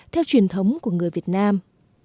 theo truyền thống của người việt nam